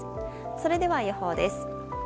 それでは予報です。